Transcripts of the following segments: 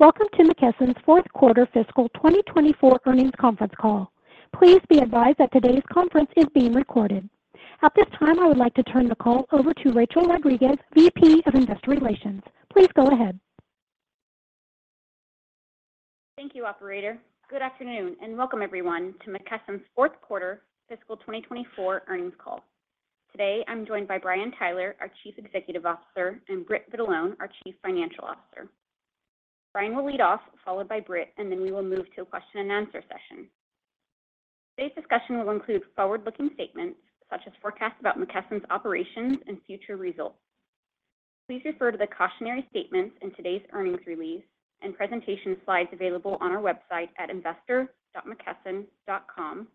Welcome to McKesson's fourth quarter fiscal 2024 earnings conference call. Please be advised that today's conference is being recorded. At this time, I would like to turn the call over to Rachel Rodriguez, VP of Investor Relations. Please go ahead. Thank you, operator. Good afternoon, and welcome everyone to McKesson's fourth quarter fiscal 2024 earnings call. Today, I'm joined by Brian Tyler, our Chief Executive Officer, and Britt Vitalone, our Chief Financial Officer. Brian will lead off, followed by Britt, and then we will move to a question and answer session. Today's discussion will include forward-looking statements, such as forecasts about McKesson's operations and future results. Please refer to the cautionary statements in today's earnings release and presentation slides available on our website at investor.mckesson.com,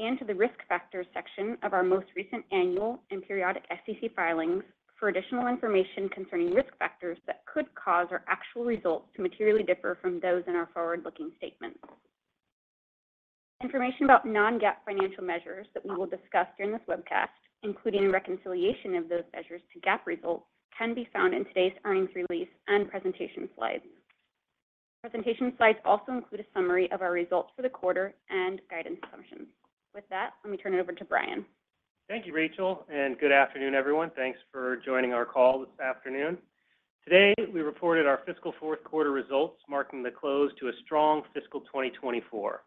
and to the Risk Factors section of our most recent annual and periodic SEC filings for additional information concerning risk factors that could cause our actual results to materially differ from those in our forward-looking statements. Information about non-GAAP financial measures that we will discuss during this webcast, including a reconciliation of those measures to GAAP results, can be found in today's earnings release and presentation slides. Presentation slides also include a summary of our results for the quarter and guidance assumptions. With that, let me turn it over to Brian. Thank you, Rachel, and good afternoon, everyone. Thanks for joining our call this afternoon. Today, we reported our fiscal fourth quarter results, marking the close to a strong fiscal 2024.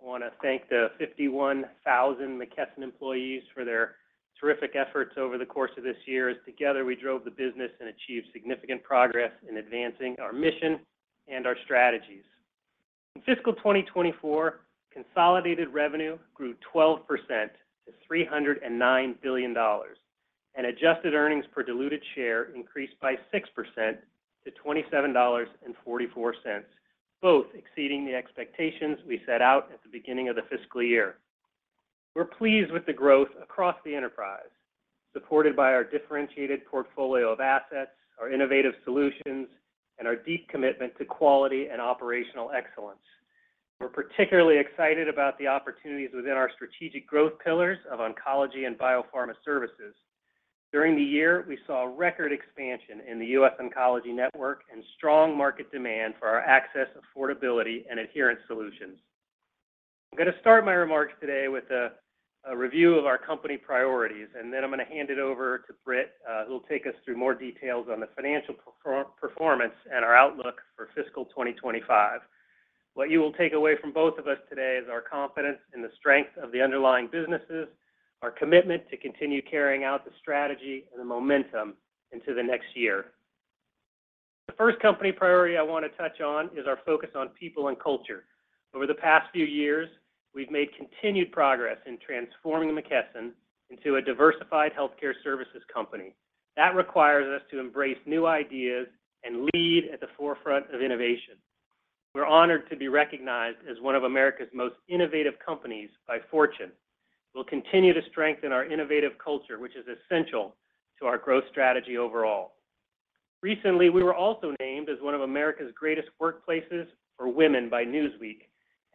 I want to thank the 51,000 McKesson employees for their terrific efforts over the course of this year, as together, we drove the business and achieved significant progress in advancing our mission and our strategies. In fiscal 2024, consolidated revenue grew 12% to $309 billion, and adjusted earnings per diluted share increased by 6% to $27.44, both exceeding the expectations we set out at the beginning of the fiscal year. We're pleased with the growth across the enterprise, supported by our differentiated portfolio of assets, our innovative solutions, and our deep commitment to quality and operational excellence. We're particularly excited about the opportunities within our strategic growth pillars of oncology and biopharma services. During the year, we saw a record expansion in the US Oncology Network and strong market demand for our access, affordability, and adherence solutions. I'm going to start my remarks today with a review of our company priorities, and then I'm going to hand it over to Britt, who'll take us through more details on the financial performance and our outlook for fiscal 2025. What you will take away from both of us today is our confidence in the strength of the underlying businesses, our commitment to continue carrying out the strategy and the momentum into the next year. The first company priority I want to touch on is our focus on people and culture. Over the past few years, we've made continued progress in transforming McKesson into a diversified healthcare services company. That requires us to embrace new ideas and lead at the forefront of innovation. We're honored to be recognized as one of America's most innovative companies by Fortune. We'll continue to strengthen our innovative culture, which is essential to our growth strategy overall. Recently, we were also named as one of America's greatest workplaces for women by Newsweek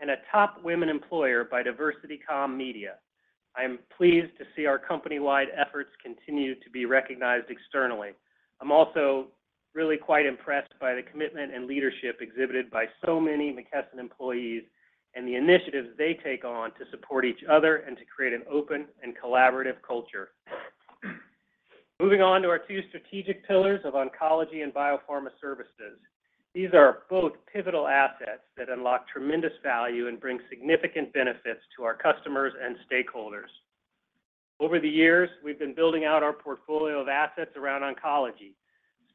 and a top women employer by DiversityComm. I am pleased to see our company-wide efforts continue to be recognized externally. I'm also really quite impressed by the commitment and leadership exhibited by so many McKesson employees and the initiatives they take on to support each other and to create an open and collaborative culture. Moving on to our two strategic pillars of oncology and biopharma services. These are both pivotal assets that unlock tremendous value and bring significant benefits to our customers and stakeholders. Over the years, we've been building out our portfolio of assets around oncology,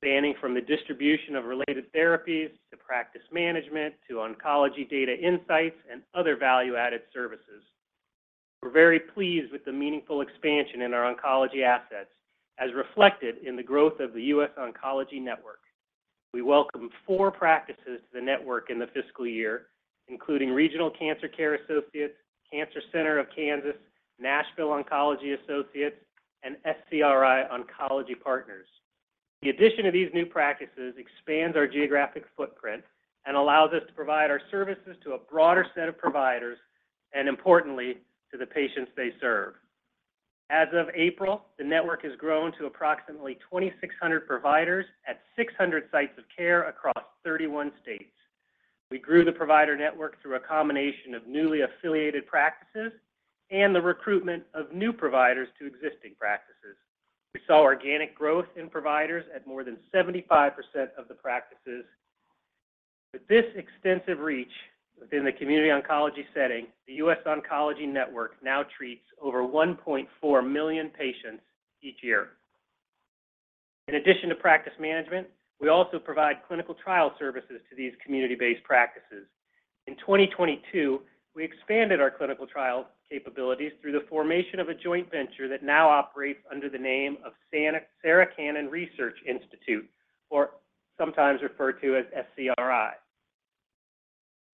spanning from the distribution of related therapies to practice management to oncology data insights and other value-added services. We're very pleased with the meaningful expansion in our oncology assets, as reflected in the growth of the US Oncology Network. We welcome four practices to the network in the fiscal year, including Regional Cancer Care Associates, Cancer Center of Kansas, Nashville Oncology Associates, and SCRI Oncology Partners. The addition of these new practices expands our geographic footprint and allows us to provide our services to a broader set of providers and importantly, to the patients they serve. As of April, the network has grown to approximately 2,600 providers at 600 sites of care across 31 states. We grew the provider network through a combination of newly affiliated practices and the recruitment of new providers to existing practices. We saw organic growth in providers at more than 75% of the practices. With this extensive reach within the community oncology setting, the US Oncology Network now treats over 1.4 million patients each year. In addition to practice management, we also provide clinical trial services to these community-based practices. In 2022, we expanded our clinical trial capabilities through the formation of a joint venture that now operates under the name of Sarah Cannon Research Institute, or sometimes referred to as SCRI.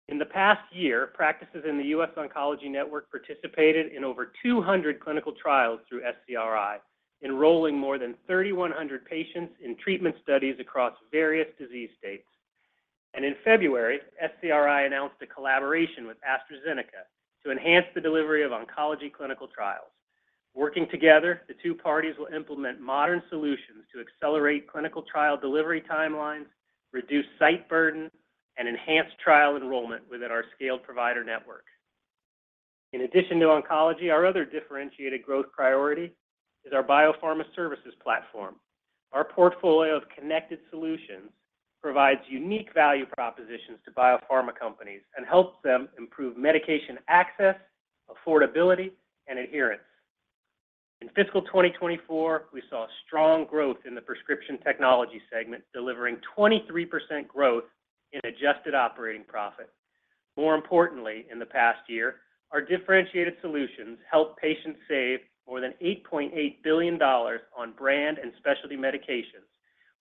In the past year, practices in the US Oncology Network participated in over 200 clinical trials through SCRI, enrolling more than 3,100 patients in treatment studies across various disease states. In February, SCRI announced a collaboration with AstraZeneca to enhance the delivery of oncology clinical trials. Working together, the two parties will implement modern solutions to accelerate clinical trial delivery timelines, reduce site burden, and enhance trial enrollment within our scaled provider network. In addition to oncology, our other differentiated growth priority is our biopharma services platform. Our portfolio of connected solutions provides unique value propositions to biopharma companies and helps them improve medication access, affordability, and adherence. In fiscal 2024, we saw strong growth in the prescription technology segment, delivering 23% growth in adjusted operating profit. More importantly, in the past year, our differentiated solutions helped patients save more than $8.8 billion on brand and specialty medications.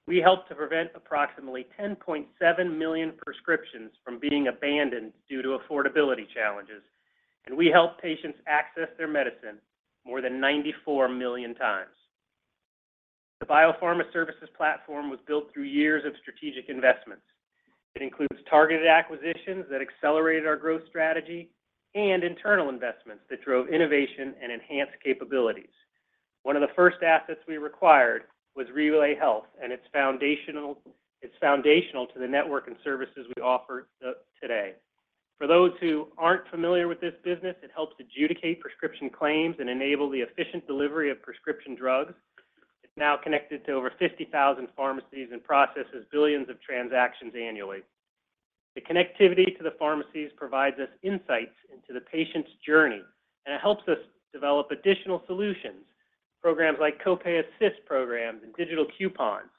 We helped to prevent approximately 10.7 million prescriptions from being abandoned due to affordability challenges, and we helped patients access their medicine more than 94 million times. The Biopharma Services platform was built through years of strategic investments. It includes targeted acquisitions that accelerated our growth strategy and internal investments that drove innovation and enhanced capabilities. One of the first assets we acquired was RelayHealth, and it's foundational to the network and services we offer today. For those who aren't familiar with this business, it helps adjudicate prescription claims and enable the efficient delivery of prescription drugs. It's now connected to over 50,000 pharmacies and processes billions of transactions annually. The connectivity to the pharmacies provides us insights into the patient's journey, and it helps us develop additional solutions, programs like copay assist programs and digital coupons.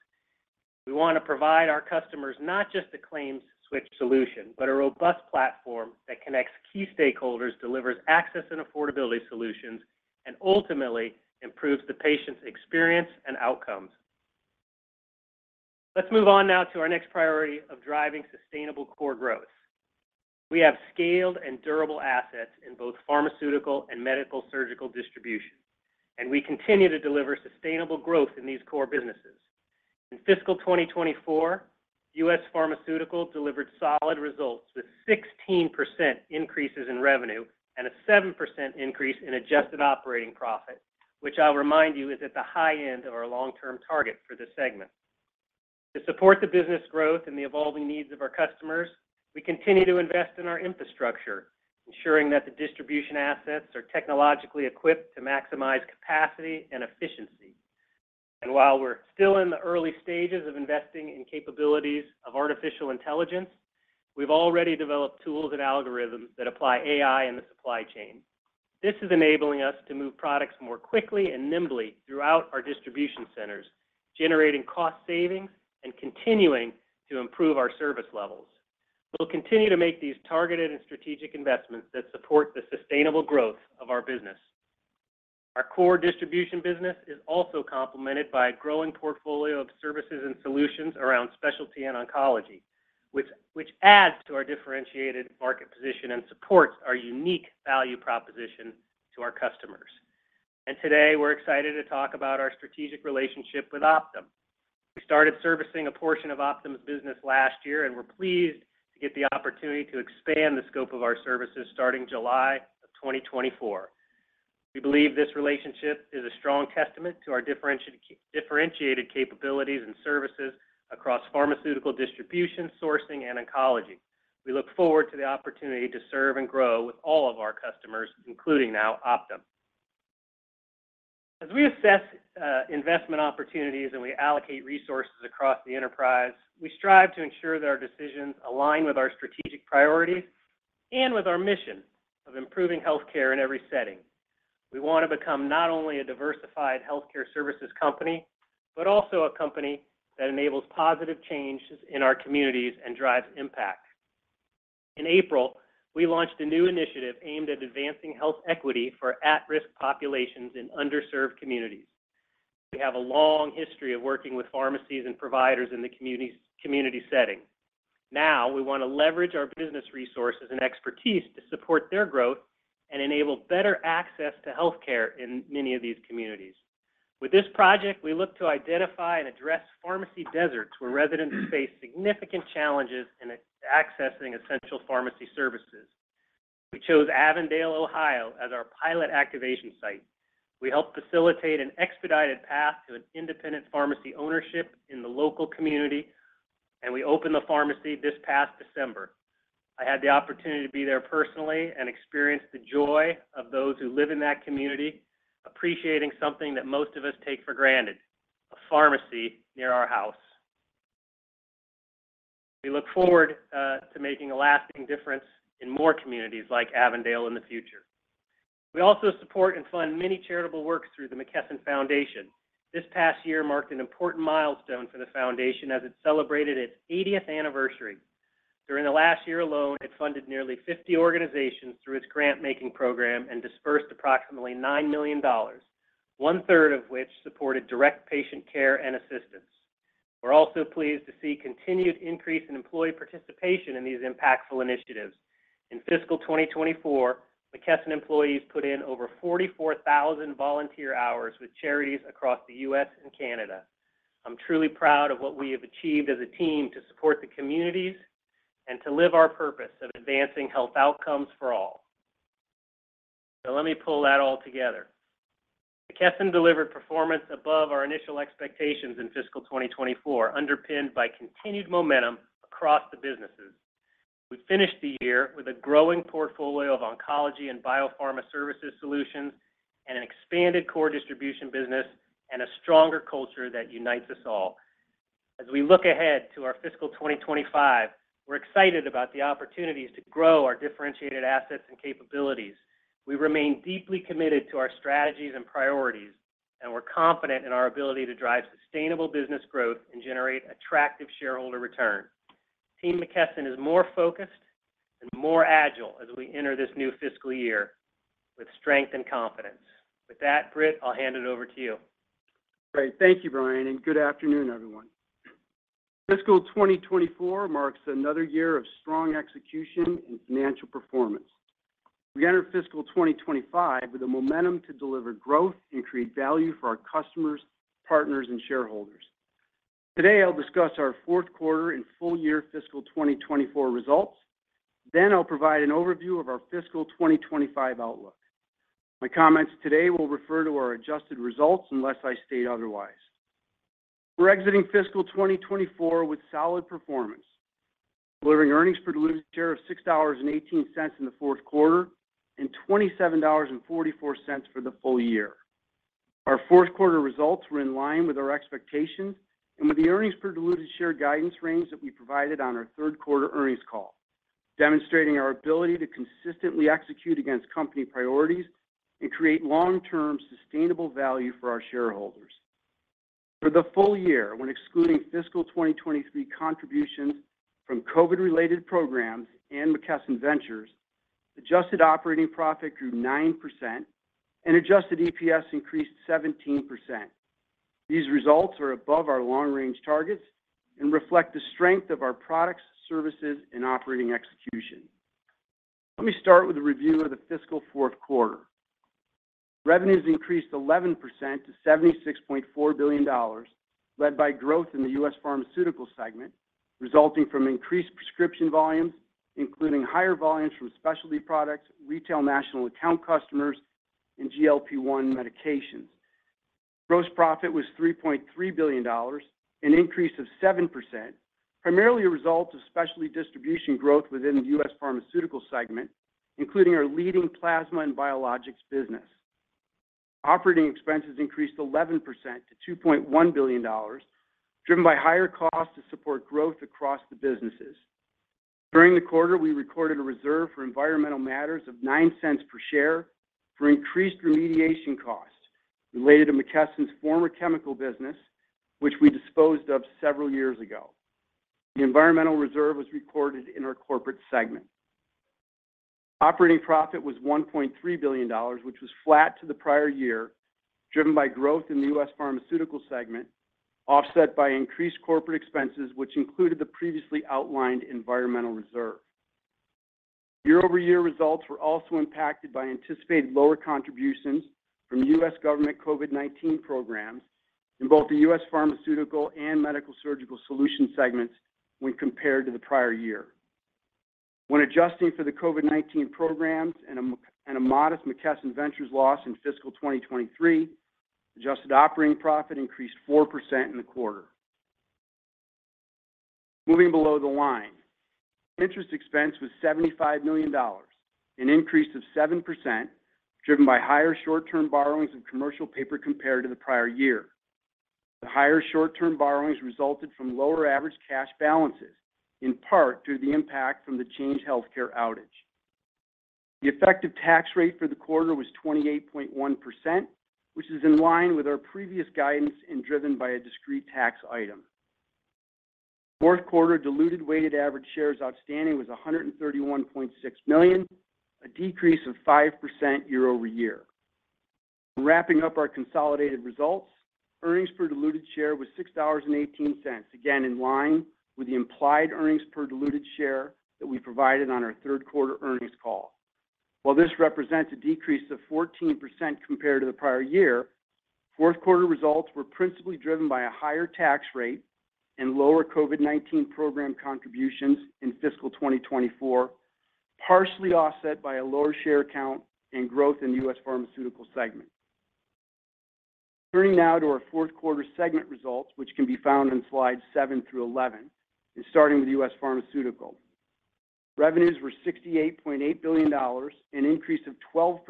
We want to provide our customers not just a claims switch solution, but a robust platform that connects key stakeholders, delivers access and affordability solutions, and ultimately improves the patient's experience and outcomes. Let's move on now to our next priority of driving sustainable core growth. We have scaled and durable assets in both pharmaceutical and medical-surgical distribution, and we continue to deliver sustainable growth in these core businesses. In fiscal 2024, U.S. Pharmaceutical delivered solid results, with 16% increases in revenue and a 7% increase in Adjusted Operating Profit, which I'll remind you, is at the high end of our long-term target for this segment. To support the business growth and the evolving needs of our customers, we continue to invest in our infrastructure, ensuring that the distribution assets are technologically equipped to maximize capacity and efficiency. While we're still in the early stages of investing in capabilities of artificial intelligence, we've already developed tools and algorithms that apply AI in the supply chain. This is enabling us to move products more quickly and nimbly throughout our distribution centers, generating cost savings and continuing to improve our service levels. We'll continue to make these targeted and strategic investments that support the sustainable growth of our business. Our core distribution business is also complemented by a growing portfolio of services and solutions around specialty and oncology, which adds to our differentiated market position and supports our unique value proposition to our customers. And today, we're excited to talk about our strategic relationship with Optum. We started servicing a portion of Optum's business last year, and we're pleased to get the opportunity to expand the scope of our services starting July of 2024. We believe this relationship is a strong testament to our differentiated, differentiated capabilities and services across pharmaceutical distribution, sourcing, and oncology. We look forward to the opportunity to serve and grow with all of our customers, including now Optum. As we assess investment opportunities and we allocate resources across the enterprise, we strive to ensure that our decisions align with our strategic priorities and with our mission of improving healthcare in every setting. We want to become not only a diversified healthcare services company, but also a company that enables positive changes in our communities and drives impact. In April, we launched a new initiative aimed at advancing health equity for at-risk populations in underserved communities. We have a long history of working with pharmacies and providers in the community setting. Now, we want to leverage our business resources and expertise to support their growth and enable better access to healthcare in many of these communities. With this project, we look to identify and address pharmacy deserts, where residents face significant challenges in accessing essential pharmacy services. We chose Avondale, Ohio, as our pilot activation site. We helped facilitate an expedited path to an independent pharmacy ownership in the local community, and we opened the pharmacy this past December. I had the opportunity to be there personally and experience the joy of those who live in that community, appreciating something that most of us take for granted, a pharmacy near our house. We look forward to making a lasting difference in more communities like Avondale in the future. We also support and fund many charitable works through the McKesson Foundation. This past year marked an important milestone for the foundation as it celebrated its 80th anniversary. During the last year alone, it funded nearly 50 organizations through its grant-making program and dispersed approximately $9 million, one-third of which supported direct patient care and assistance. We're also pleased to see continued increase in employee participation in these impactful initiatives. In fiscal 2024, McKesson employees put in over 44,000 volunteer hours with charities across the U.S. and Canada. I'm truly proud of what we have achieved as a team to support the communities and to live our purpose of advancing health outcomes for all. Now, let me pull that all together. McKesson delivered performance above our initial expectations in fiscal 2024, underpinned by continued momentum across the businesses. We finished the year with a growing portfolio of oncology and biopharma services solutions, and an expanded core distribution business, and a stronger culture that unites us all. As we look ahead to our fiscal 2025, we're excited about the opportunities to grow our differentiated assets and capabilities. We remain deeply committed to our strategies and priorities, and we're confident in our ability to drive sustainable business growth and generate attractive shareholder return. Team McKesson is more focused and more agile as we enter this new fiscal year with strength and confidence. With that, Britt, I'll hand it over to you. Great. Thank you, Brian, and good afternoon, everyone. Fiscal 2024 marks another year of strong execution and financial performance. We enter Fiscal 2025 with the momentum to deliver growth and create value for our customers, partners, and shareholders. Today, I'll discuss our fourth quarter and full year Fiscal 2024 results, then I'll provide an overview of our Fiscal 2025 outlook. My comments today will refer to our adjusted results unless I state otherwise. We're exiting Fiscal 2024 with solid performance, delivering earnings per diluted share of $6.18 in the fourth quarter and $27.44 for the full year. Our fourth quarter results were in line with our expectations and with the earnings per diluted share guidance range that we provided on our third quarter earnings call, demonstrating our ability to consistently execute against company priorities and create long-term, sustainable value for our shareholders. For the full year, when excluding fiscal 2023 contributions from COVID-related programs and McKesson Ventures, adjusted operating profit grew 9% and adjusted EPS increased 17%. These results are above our long-range targets and reflect the strength of our products, services, and operating execution. Let me start with a review of the fiscal fourth quarter. Revenues increased 11% to $76.4 billion, led by growth in the U.S. pharmaceutical segment, resulting from increased prescription volumes, including higher volumes from specialty products, retail national account customers, and GLP-1 medications. Gross profit was $3.3 billion, an increase of 7%, primarily a result of specialty distribution growth within the U.S. Pharmaceutical segment, including our leading plasma and biologics business. Operating expenses increased 11% to $2.1 billion, driven by higher costs to support growth across the businesses. During the quarter, we recorded a reserve for environmental matters of $0.09 per share for increased remediation costs related to McKesson's former chemical business, which we disposed of several years ago. The environmental reserve was recorded in our corporate segment. Operating profit was $1.3 billion, which was flat to the prior year, driven by growth in the U.S. Pharmaceutical segment, offset by increased corporate expenses, which included the previously outlined environmental reserve. Year-over-year results were also impacted by anticipated lower contributions from U.S. government COVID-19 programs in both the U.S. Pharmaceutical and Medical-Surgical Solutions segments when compared to the prior year. When adjusting for the COVID-19 programs and a modest McKesson Ventures loss in fiscal 2023, Adjusted Operating Profit increased 4% in the quarter. Moving below the line, interest expense was $75 million, an increase of 7%, driven by higher short-term borrowings and commercial paper compared to the prior year. The higher short-term borrowings resulted from lower average cash balances, in part due to the impact from the Change Healthcare outage. The effective tax rate for the quarter was 28.1%, which is in line with our previous guidance and driven by a discrete tax item. Fourth quarter diluted weighted average shares outstanding was 131.6 million, a decrease of 5% year-over-year. Wrapping up our consolidated results, earnings per diluted share was $6.18, again, in line with the implied earnings per diluted share that we provided on our third quarter earnings call. While this represents a decrease of 14% compared to the prior year, fourth quarter results were principally driven by a higher tax rate and lower COVID-19 program contributions in fiscal 2024, partially offset by a lower share count and growth in the U.S. Pharmaceutical segment. Turning now to our fourth quarter segment results, which can be found on slides seven through 11, and starting with U.S. Pharmaceutical. Revenues were $68.8 billion, an increase of 12%,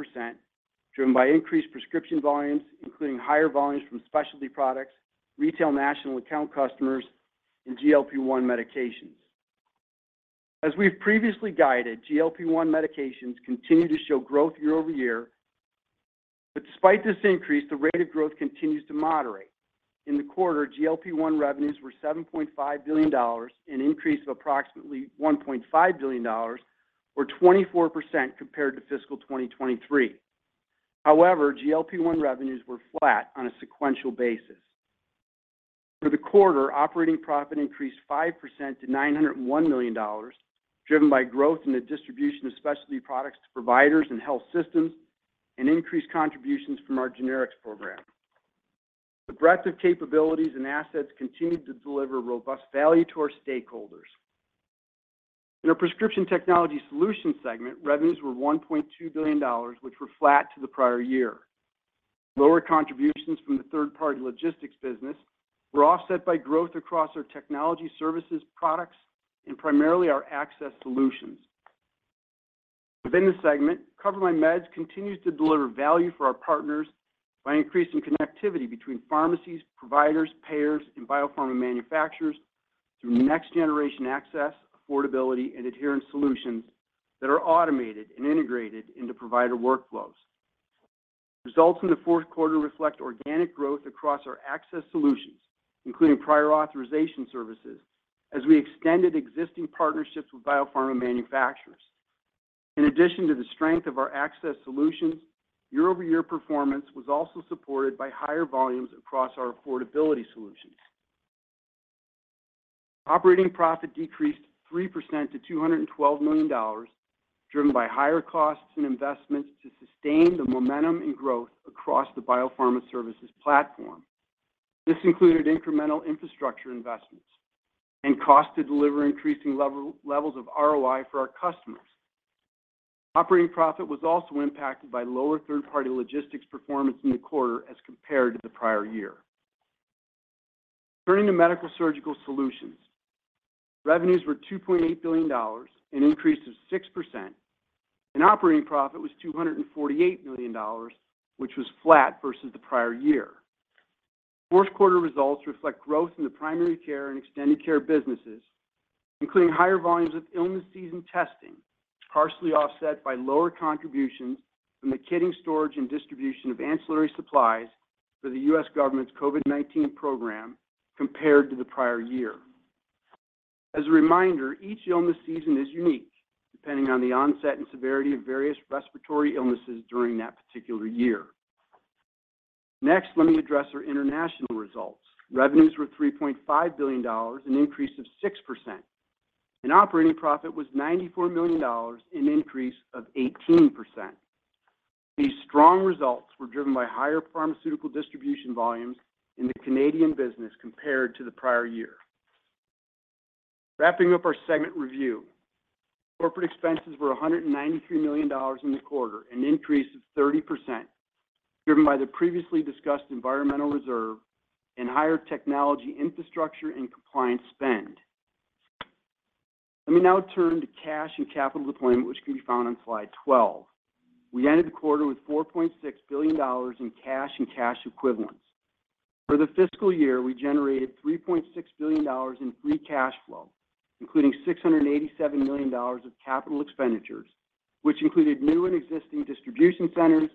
driven by increased prescription volumes, including higher volumes from specialty products, retail national account customers, and GLP-1 medications. As we've previously guided, GLP-1 medications continue to show growth year-over-year. But despite this increase, the rate of growth continues to moderate. In the quarter, GLP-1 revenues were $7.5 billion, an increase of approximately $1.5 billion, or 24% compared to fiscal 2023. However, GLP-1 revenues were flat on a sequential basis. For the quarter, operating profit increased 5% to $901 million, driven by growth in the distribution of specialty products to providers and health systems, and increased contributions from our generics program.... The breadth of capabilities and assets continued to deliver robust value to our stakeholders. In our Prescription Technology Solutions segment, revenues were $1.2 billion, which were flat to the prior year. Lower contributions from the third-party logistics business were offset by growth across our technology services products and primarily our access solutions. Within this segment, CoverMyMeds continues to deliver value for our partners by increasing connectivity between pharmacies, providers, payers, and biopharma manufacturers through next-generation access, affordability, and adherence solutions that are automated and integrated into provider workflows. Results in the fourth quarter reflect organic growth across our access solutions, including prior authorization services, as we extended existing partnerships with biopharma manufacturers. In addition to the strength of our access solutions, year-over-year performance was also supported by higher volumes across our affordability solutions. Operating profit decreased 3% to $212 million, driven by higher costs and investments to sustain the momentum and growth across the Biopharma Services platform. This included incremental infrastructure investments and cost to deliver increasing level, levels of ROI for our customers. Operating profit was also impacted by lower third-party logistics performance in the quarter as compared to the prior year. Turning to Medical-Surgical Solutions, revenues were $2.8 billion, an increase of 6%, and operating profit was $248 million, which was flat versus the prior year. Fourth quarter results reflect growth in the primary care and extended care businesses, including higher volumes of illness season testing, partially offset by lower contributions from the kitting, storage, and distribution of ancillary supplies for the U.S. government's COVID-19 program compared to the prior year. As a reminder, each illness season is unique, depending on the onset and severity of various respiratory illnesses during that particular year. Next, let me address our international results. Revenues were $3.5 billion, an increase of 6%, and operating profit was $94 million, an increase of 18%. These strong results were driven by higher pharmaceutical distribution volumes in the Canadian business compared to the prior year. Wrapping up our segment review, corporate expenses were $193 million in the quarter, an increase of 30%, driven by the previously discussed environmental reserve and higher technology infrastructure and compliance spend. Let me now turn to cash and capital deployment, which can be found on slide 12. We ended the quarter with $4.6 billion in cash and cash equivalents. For the fiscal year, we generated $3.6 billion in free cash flow, including $687 million of capital expenditures, which included new and existing distribution centers,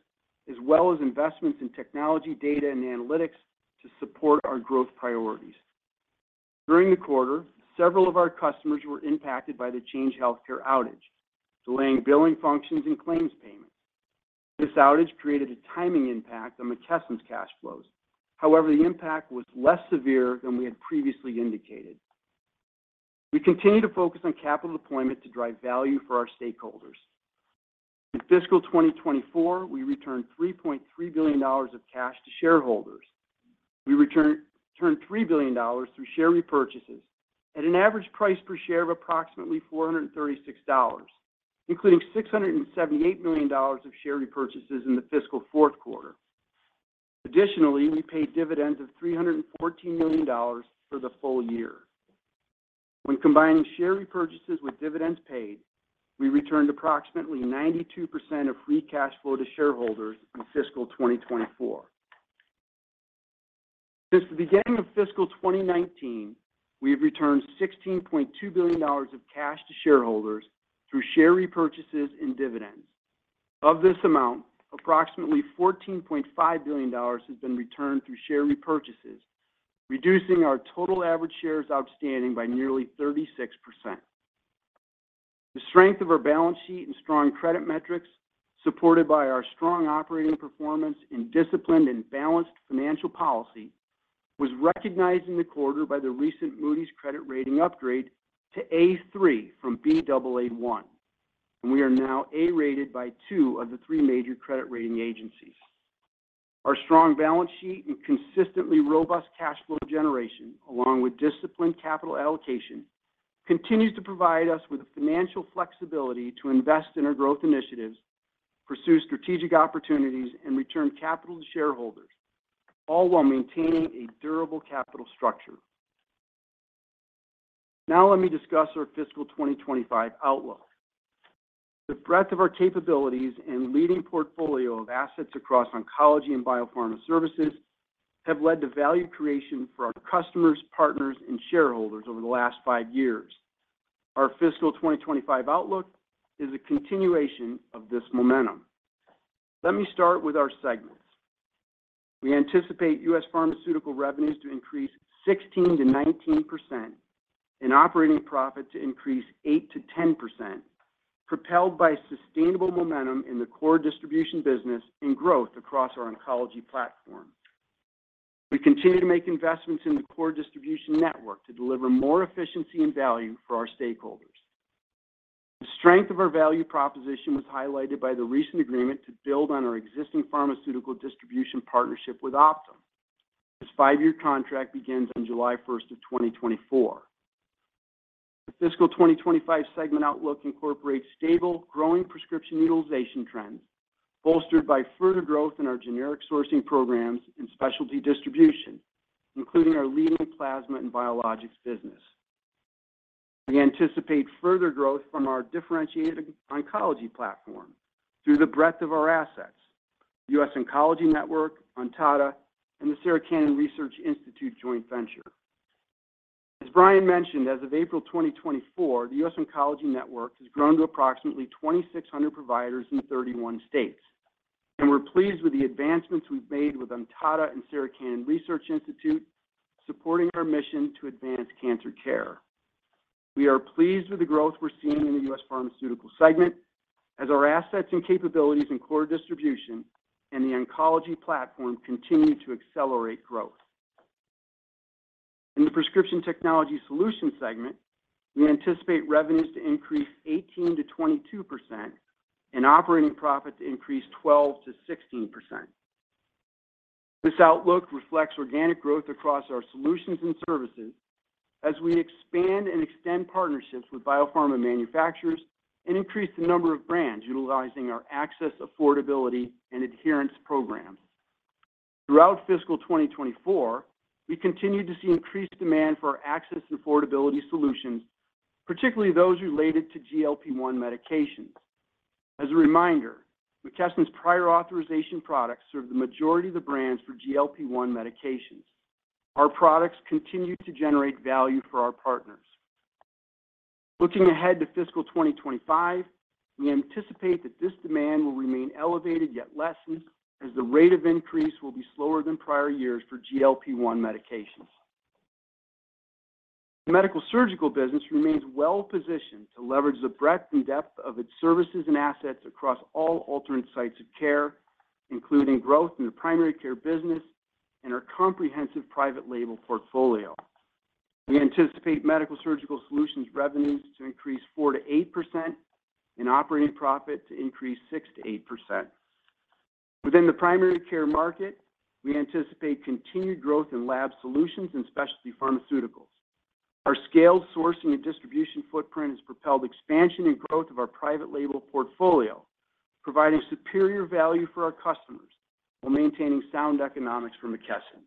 as well as investments in technology, data, and analytics to support our growth priorities. During the quarter, several of our customers were impacted by the Change Healthcare outage, delaying billing functions and claims payments. This outage created a timing impact on McKesson's cash flows. However, the impact was less severe than we had previously indicated. We continue to focus on capital deployment to drive value for our stakeholders. In fiscal 2024, we returned $3.3 billion of cash to shareholders. We returned $3 billion through share repurchases at an average price per share of approximately $436, including $678 million of share repurchases in the fiscal fourth quarter. Additionally, we paid dividends of $314 million for the full year. When combining share repurchases with dividends paid, we returned approximately 92% of free cash flow to shareholders in fiscal 2024. Since the beginning of fiscal 2019, we have returned $16.2 billion of cash to shareholders through share repurchases and dividends. Of this amount, approximately $14.5 billion has been returned through share repurchases, reducing our total average shares outstanding by nearly 36%. The strength of our balance sheet and strong credit metrics, supported by our strong operating performance and disciplined and balanced financial policy, was recognized in the quarter by the recent Moody's credit rating upgrade to A3 from Baa1, and we are now A-rated by two of the three major credit rating agencies. Our strong balance sheet and consistently robust cash flow generation, along with disciplined capital allocation, continues to provide us with the financial flexibility to invest in our growth initiatives, pursue strategic opportunities, and return capital to shareholders, all while maintaining a durable capital structure. Now let me discuss our fiscal 2025 outlook. The breadth of our capabilities and leading portfolio of assets across oncology and biopharma services have led to value creation for our customers, partners, and shareholders over the last five years. Our fiscal 2025 outlook is a continuation of this momentum. Let me start with our segments. We anticipate U.S. Pharmaceutical revenues to increase 16%-19% and operating profit to increase 8%-10%, propelled by sustainable momentum in the core distribution business and growth across our oncology platform. We continue to make investments in the core distribution network to deliver more efficiency and value for our stakeholders. The strength of our value proposition was highlighted by the recent agreement to build on our existing pharmaceutical distribution partnership with Optum. This 5-year contract begins on July 1st, 2024. The fiscal 2025 segment outlook incorporates stable, growing prescription utilization trends, bolstered by further growth in our generic sourcing programs and specialty distribution, including our leading plasma and biologics business. We anticipate further growth from our differentiated oncology platform through the breadth of our assets, US Oncology Network, Ontada, and the Sarah Cannon Research Institute Joint Venture. As Brian mentioned, as of April 2024, The US Oncology Network has grown to approximately 2,600 providers in 31 states, and we're pleased with the advancements we've made with Ontada and Sarah Cannon Research Institute, supporting our mission to advance cancer care. We are pleased with the growth we're seeing in the U.S. Pharmaceutical segment as our assets and capabilities in core distribution and the oncology platform continue to accelerate growth. In the Prescription Technology Solutions segment, we anticipate revenues to increase 18%-22% and operating profit to increase 12%-16%. This outlook reflects organic growth across our solutions and services as we expand and extend partnerships with biopharma manufacturers and increase the number of brands utilizing our access, affordability, and adherence programs. Throughout fiscal 2024, we continued to see increased demand for our access and affordability solutions, particularly those related to GLP-1 medications. As a reminder, McKesson's prior authorization products serve the majority of the brands for GLP-1 medications. Our products continue to generate value for our partners. Looking ahead to fiscal 2025, we anticipate that this demand will remain elevated, yet lessened, as the rate of increase will be slower than prior years for GLP-1 medications. The Medical-Surgical Solutions business remains well positioned to leverage the breadth and depth of its services and assets across all alternate sites of care, including growth in the primary care business and our comprehensive private label portfolio. We anticipate Medical-Surgical Solutions revenues to increase 4%-8% and operating profit to increase 6%-8%. Within the primary care market, we anticipate continued growth in lab solutions and specialty pharmaceuticals. Our scaled sourcing and distribution footprint has propelled expansion and growth of our private label portfolio, providing superior value for our customers while maintaining sound economics for McKesson.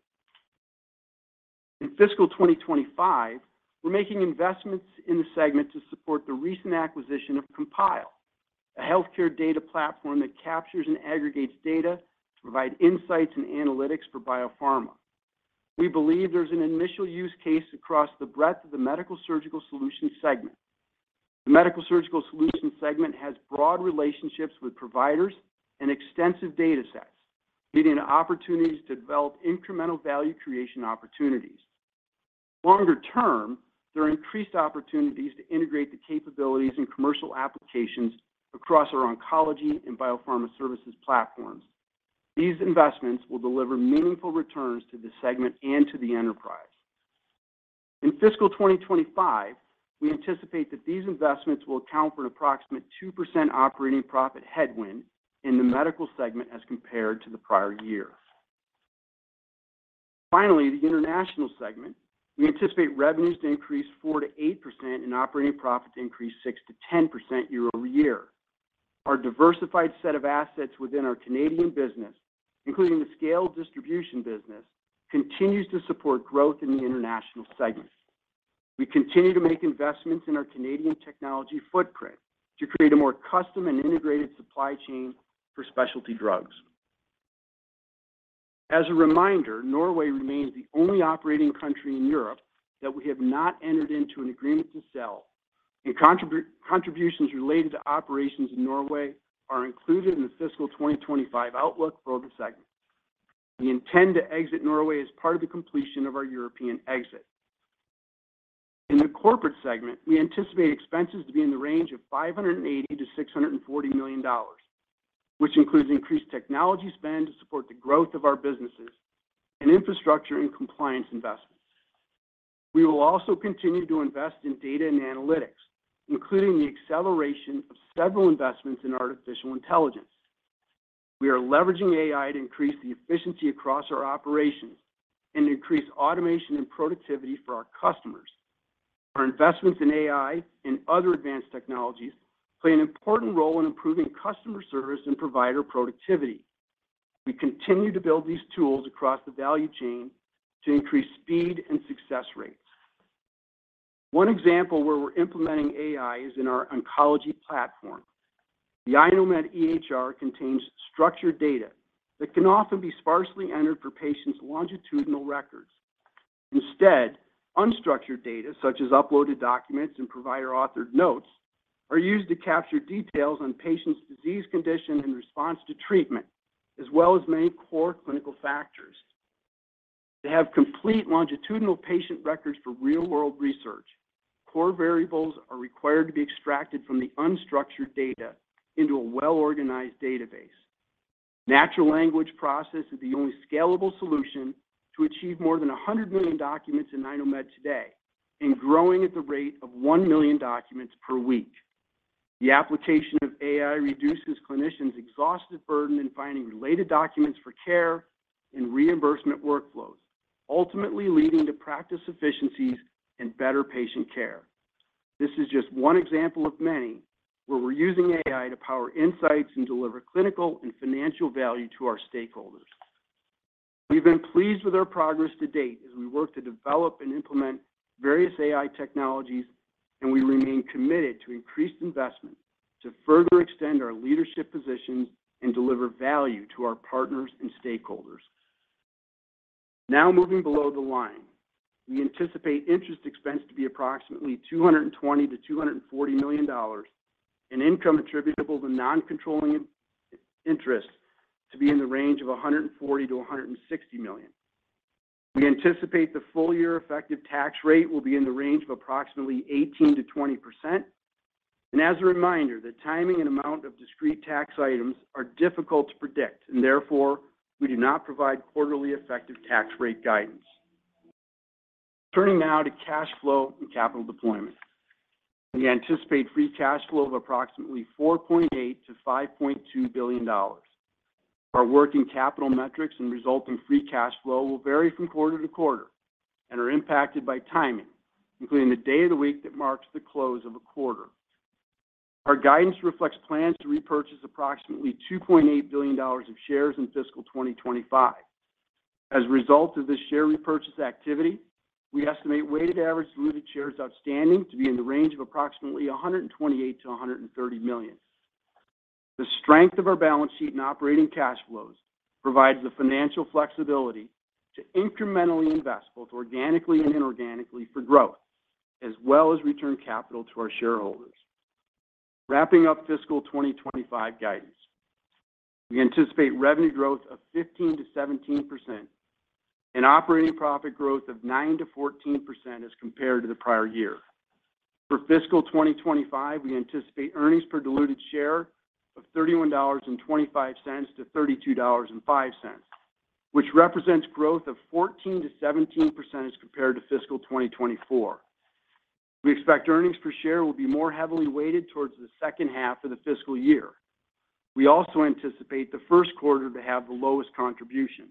In fiscal 2025, we're making investments in the segment to support the recent acquisition of Compile, a healthcare data platform that captures and aggregates data to provide insights and analytics for biopharma. We believe there's an initial use case across the breadth of the Medical-Surgical Solutions segment. The Medical-Surgical Solutions segment has broad relationships with providers and extensive datasets, leading to opportunities to develop incremental value creation opportunities. Longer term, there are increased opportunities to integrate the capabilities and commercial applications across our oncology and biopharma services platforms. These investments will deliver meaningful returns to this segment and to the enterprise. In fiscal 2025, we anticipate that these investments will account for an approximate 2% operating profit headwind in the medical segment as compared to the prior year. Finally, the international segment, we anticipate revenues to increase 4%-8% and operating profit to increase 6%-10% year-over-year. Our diversified set of assets within our Canadian business, including the scaled distribution business, continues to support growth in the international segment. We continue to make investments in our Canadian technology footprint to create a more custom and integrated supply chain for specialty drugs. As a reminder, Norway remains the only operating country in Europe that we have not entered into an agreement to sell, and contributions related to operations in Norway are included in the fiscal 2025 outlook for the segment. We intend to exit Norway as part of the completion of our European exit. In the corporate segment, we anticipate expenses to be in the range of $580 million-$640 million, which includes increased technology spend to support the growth of our businesses and infrastructure and compliance investments. We will also continue to invest in data and analytics, including the acceleration of several investments in artificial intelligence. We are leveraging AI to increase the efficiency across our operations and increase automation and productivity for our customers. Our investments in AI and other advanced technologies play an important role in improving customer service and provider productivity. We continue to build these tools across the value chain to increase speed and success rates. One example where we're implementing AI is in our oncology platform. The iKnowMed EHR contains structured data that can often be sparsely entered for patients' longitudinal records. Instead, unstructured data, such as uploaded documents and provider-authored notes, are used to capture details on patients' disease condition and response to treatment, as well as many core clinical factors. To have complete longitudinal patient records for real-world research, core variables are required to be extracted from the unstructured data into a well-organized database. Natural language processing is the only scalable solution to achieve more than 100 million documents in iKnowMed today and growing at the rate of 1 million documents per week. The application of AI reduces clinicians' exhaustive burden in finding related documents for care and reimbursement workflows, ultimately leading to practice efficiencies and better patient care. This is just one example of many, where we're using AI to power insights and deliver clinical and financial value to our stakeholders. We've been pleased with our progress to date as we work to develop and implement various AI technologies, and we remain committed to increased investment to further extend our leadership positions and deliver value to our partners and stakeholders. Now, moving below the line, we anticipate interest expense to be approximately $220 million-$240 million, and income attributable to non-controlling interests to be in the range of $140 million-$160 million. We anticipate the full year effective tax rate will be in the range of approximately 18%-20%. As a reminder, the timing and amount of discrete tax items are difficult to predict, and therefore, we do not provide quarterly effective tax rate guidance. Turning now to cash flow and capital deployment. We anticipate free cash flow of approximately $4.8 billion-$5.2 billion. Our working capital metrics and resulting free cash flow will vary from quarter to quarter and are impacted by timing, including the day of the week that marks the close of a quarter. Our guidance reflects plans to repurchase approximately $2.8 billion of shares in fiscal 2025. As a result of this share repurchase activity, we estimate weighted average diluted shares outstanding to be in the range of approximately 128 million-130 million. The strength of our balance sheet and operating cash flows provides the financial flexibility to incrementally invest, both organically and inorganically for growth, as well as return capital to our shareholders. Wrapping up fiscal 2025 guidance. We anticipate revenue growth of 15%-17% and operating profit growth of 9%-14% as compared to the prior year. For fiscal 2025, we anticipate earnings per diluted share of $31.25-$32.05, which represents growth of 14%-17% as compared to fiscal 2024. We expect earnings per share will be more heavily weighted towards the second half of the fiscal year. We also anticipate the first quarter to have the lowest contribution.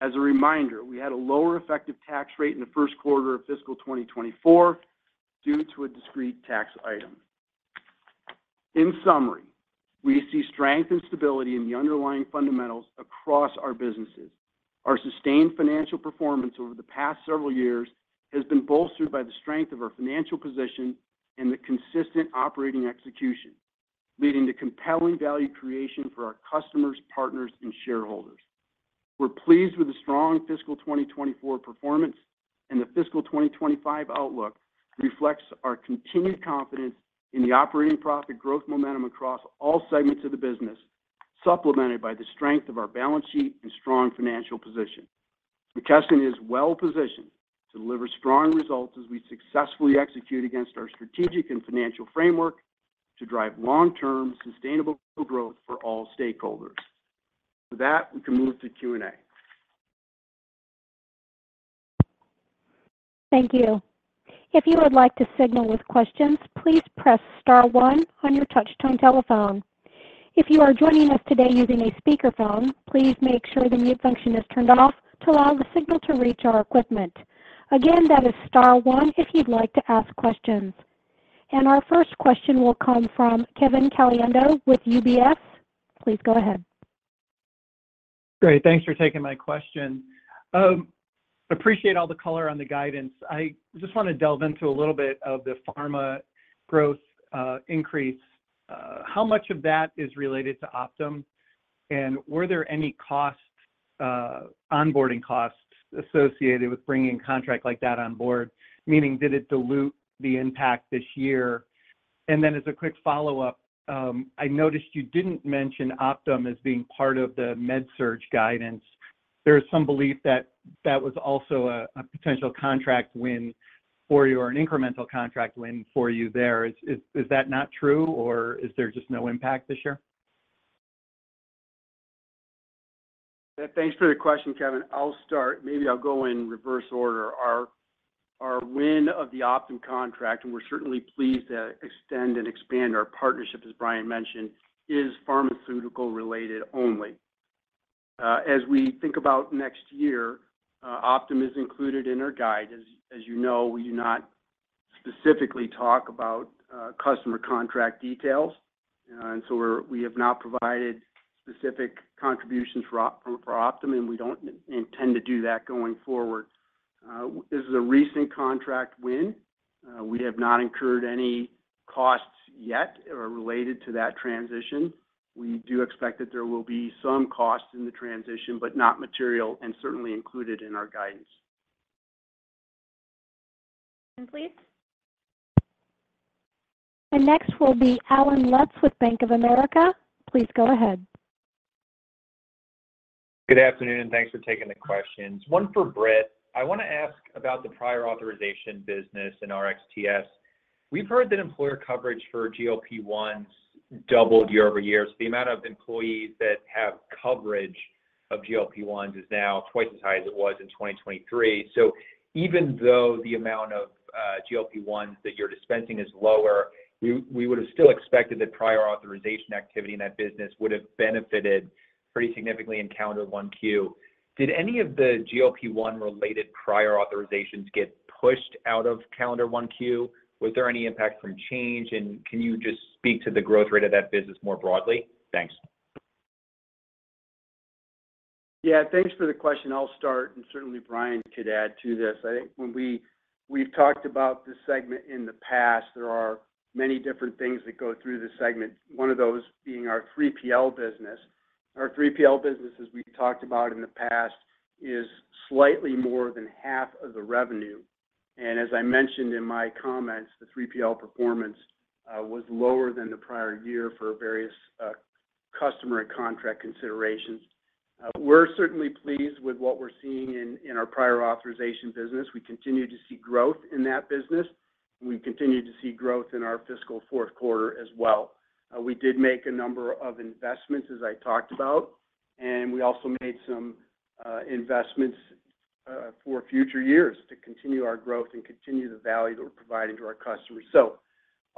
As a reminder, we had a lower effective tax rate in the first quarter of fiscal 2024 due to a discrete tax item. In summary, we see strength and stability in the underlying fundamentals across our businesses. Our sustained financial performance over the past several years has been bolstered by the strength of our financial position and the consistent operating execution, leading to compelling value creation for our customers, partners, and shareholders. We're pleased with the strong fiscal 2024 performance, and the fiscal 2025 outlook reflects our continued confidence in the operating profit growth momentum across all segments of the business, supplemented by the strength of our balance sheet and strong financial position. McKesson is well positioned to deliver strong results as we successfully execute against our strategic and financial framework to drive long-term sustainable growth for all stakeholders. With that, we can move to Q&A. Thank you. If you would like to signal with questions, please press star one on your touch-tone telephone. If you are joining us today using a speakerphone, please make sure the mute function is turned off to allow the signal to reach our equipment. Again, that is star one if you'd like to ask questions. Our first question will come from Kevin Caliendo with UBS. Please go ahead. Great, thanks for taking my question. Appreciate all the color on the guidance. I just want to delve into a little bit of the pharma growth, increase. How much of that is related to Optum? And were there any costs, onboarding costs associated with bringing a contract like that on board? Meaning, did it dilute the impact this year? And then as a quick follow-up, I noticed you didn't mention Optum as being part of the med surge guidance. There is some belief that that was also a potential contract win for you or an incremental contract win for you there. Is that not true, or is there just no impact this year? Thanks for the question, Kevin. I'll start. Maybe I'll go in reverse order. Our win of the Optum contract, and we're certainly pleased to extend and expand our partnership, as Brian mentioned, is pharmaceutical related only. As we think about next year, Optum is included in our guide. As you know, we do not specifically talk about customer contract details, and so we have not provided specific contributions for Optum, and we don't intend to do that going forward. This is a recent contract win. We have not incurred any costs yet or related to that transition. We do expect that there will be some costs in the transition, but not material, and certainly included in our guidance. Please. Next will be Allen Lutz with Bank of America. Please go ahead. Good afternoon, and thanks for taking the questions. One for Britt. I want to ask about the prior authorization business in RxTS. We've heard that employer coverage for GLP-1s doubled year-over-year. So the amount of employees that have coverage of GLP-1s is now twice as high as it was in 2023. So even though the amount of GLP-1s that you're dispensing is lower, we would have still expected that prior authorization activity in that business would have benefited pretty significantly in calendar 1Q. Did any of the GLP-1 related prior authorizations get pushed out of calendar 1Q? Was there any impact from change, and can you just speak to the growth rate of that business more broadly? Thanks. Yeah, thanks for the question. I'll start, and certainly Brian could add to this. I think we've talked about this segment in the past. There are many different things that go through this segment, one of those being our 3PL business. Our 3PL business, as we've talked about in the past, is slightly more than half of the revenue, and as I mentioned in my comments, the 3PL performance was lower than the prior year for various customer and contract considerations. We're certainly pleased with what we're seeing in our prior authorization business. We continue to see growth in that business. We continue to see growth in our fiscal fourth quarter as well. We did make a number of investments, as I talked about, and we also made some investments for future years to continue our growth and continue the value that we're providing to our customers. So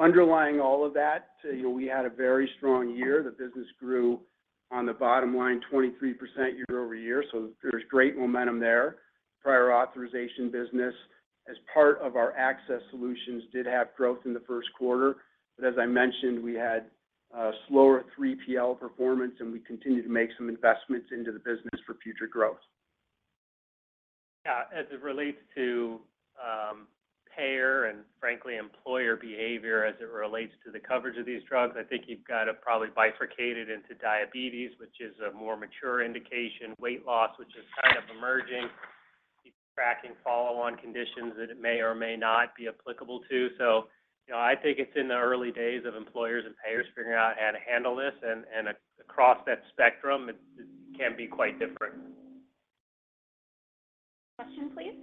underlying all of that, you know, we had a very strong year. The business grew on the bottom line, 23% year-over-year, so there's great momentum there. Prior Authorization business, as part of our access solutions, did have growth in the first quarter. But as I mentioned, we had slower 3PL performance, and we continued to make some investments into the business for future growth. Yeah, as it relates to payer and frankly, employer behavior, as it relates to the coverage of these drugs, I think you've got to probably bifurcate it into diabetes, which is a more mature indication, weight loss, which is kind of emerging. Keep tracking follow-on conditions that it may or may not be applicable to. So, you know, I think it's in the early days of employers and payers figuring out how to handle this, and across that spectrum, it, it can be quite different. Question, please.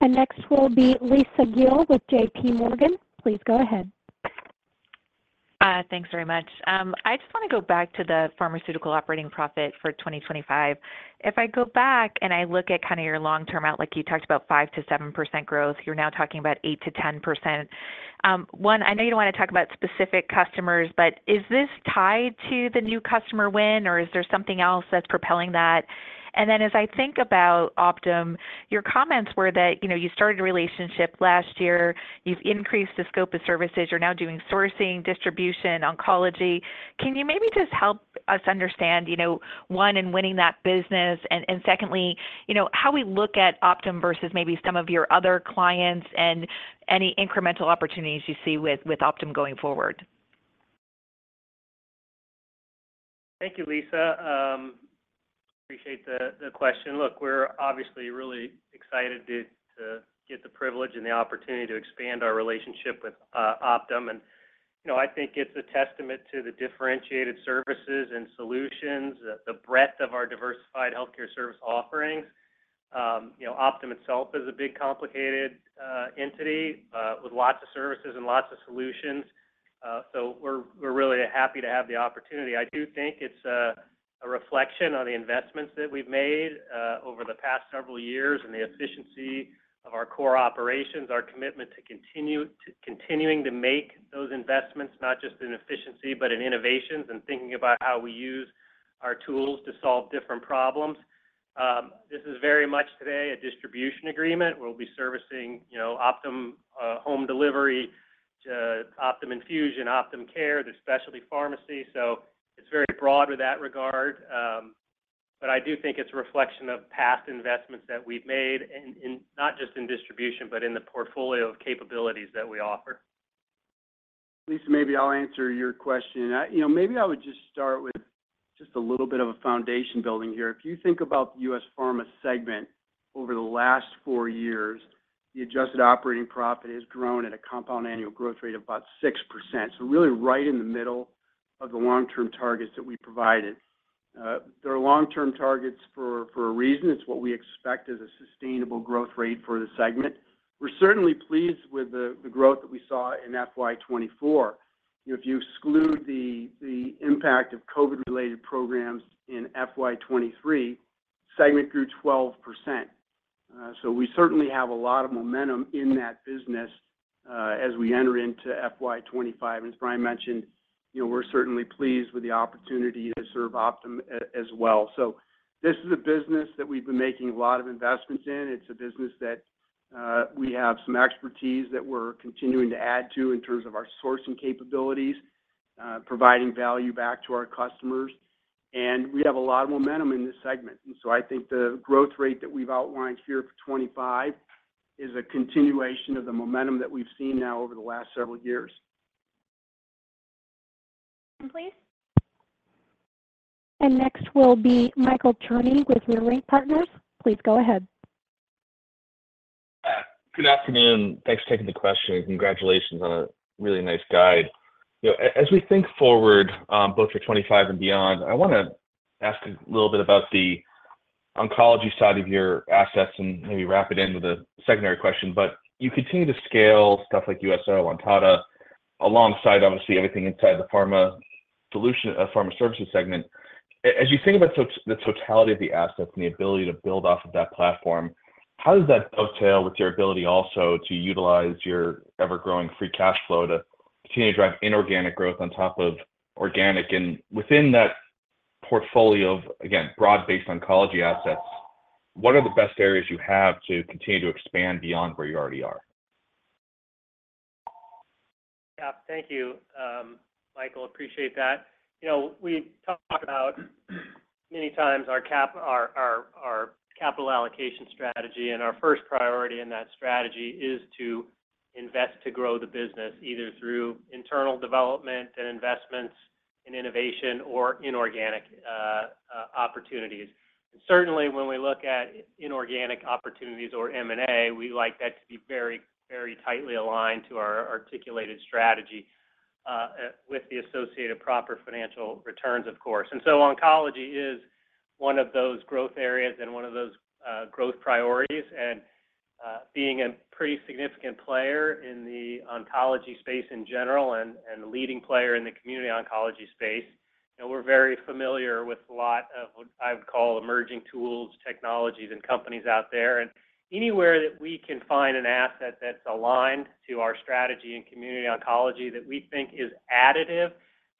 Next will be Lisa Gill with JPMorgan. Please go ahead. Thanks very much. I just want to go back to the pharmaceutical operating profit for 2025. If I go back and I look at kind of your long-term outlook, like you talked about 5%-7% growth, you're now talking about 8%-10%. One, I know you don't want to talk about specific customers, but is this tied to the new customer win, or is there something else that's propelling that? And then as I think about Optum, your comments were that, you know, you started a relationship last year, you've increased the scope of services, you're now doing sourcing, distribution, oncology. Can you maybe just help us understand, you know, one, in winning that business, and secondly, you know, how we look at Optum versus maybe some of your other clients and any incremental opportunities you see with Optum going forward? Thank you, Lisa. Appreciate the question. Look, we're obviously really excited to get the privilege and the opportunity to expand our relationship with Optum. And, you know, I think it's a testament to the differentiated services and solutions, the breadth of our diversified healthcare service offerings. You know, Optum itself is a big, complicated entity with lots of services and lots of solutions. So we're really happy to have the opportunity. I do think it's a reflection on the investments that we've made over the past several years and the efficiency of our core operations, our commitment to continuing to make those investments, not just in efficiency, but in innovations, and thinking about how we use our tools to solve different problems. This is very much today a distribution agreement. We'll be servicing, you know, Optum, home delivery to Optum Infusion, Optum Care, the specialty pharmacy. So it's very broad with that regard, but I do think it's a reflection of past investments that we've made, not just in distribution, but in the portfolio of capabilities that we offer. Lisa, maybe I'll answer your question. You know, maybe I would just start with just a little bit of a foundation building here. If you think about the U.S. Pharmaceutical segment over the last four years, the Adjusted Operating Profit has grown at a compound annual growth rate of about 6%. So really right in the middle of the long-term targets that we provided. There are long-term targets for a reason. It's what we expect as a sustainable growth rate for the segment. We're certainly pleased with the growth that we saw in FY 2024. You know, if you exclude the impact of COVID-related programs in FY 2023, segment grew 12%. So we certainly have a lot of momentum in that business as we enter into FY 2025. As Brian mentioned, you know, we're certainly pleased with the opportunity to serve Optum as well. This is a business that we've been making a lot of investments in. It's a business that we have some expertise that we're continuing to add to in terms of our sourcing capabilities, providing value back to our customers, and we have a lot of momentum in this segment. I think the growth rate that we've outlined here for 2025 is a continuation of the momentum that we've seen now over the last several years. Please? Next will be Michael Cherny with Leerink Partners. Please go ahead. Good afternoon. Thanks for taking the question, and congratulations on a really nice guide. You know, as we think forward, both for 25 and beyond, I want to ask a little bit about the oncology side of your assets and maybe wrap it in with a secondary question. But you continue to scale stuff like USO, Ontada, alongside, obviously, everything inside the pharma solution, pharma services segment. As you think about the totality of the assets and the ability to build off of that platform, how does that dovetail with your ability also to utilize your ever-growing free cash flow to continue to drive inorganic growth on top of organic? And within that portfolio of, again, broad-based oncology assets, what are the best areas you have to continue to expand beyond where you already are? Yeah. Thank you, Michael. Appreciate that. You know, we talked about many times our capital allocation strategy, and our first priority in that strategy is to invest to grow the business, either through internal development and investments in innovation or inorganic opportunities. Certainly, when we look at inorganic opportunities or M&A, we like that to be very, very tightly aligned to our articulated strategy, with the associated proper financial returns, of course. And so oncology is one of those growth areas and one of those growth priorities. And being a pretty significant player in the oncology space in general and a leading player in the community oncology space, you know, we're very familiar with a lot of what I would call emerging tools, technologies, and companies out there. Anywhere that we can find an asset that's aligned to our strategy in community oncology that we think is additive